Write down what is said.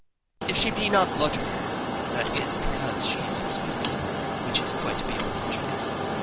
If she be not logical, that is because she is exquisite, which is quite beyond logic.